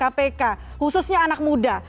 kpk khususnya anak muda